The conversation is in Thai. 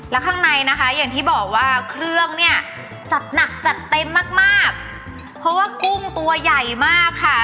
แล้วข้างในนะคะอย่างที่บอกว่าเครื่องเนี่ยจัดหนักจัดเต็มมากมากเพราะว่ากุ้งตัวใหญ่มากค่ะ